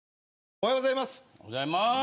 おはようございます。